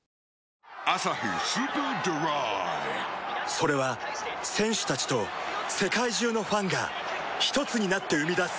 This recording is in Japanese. それは選手たちと世界中のファンがひとつになって生み出す